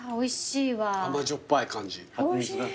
甘じょっぱい感じ。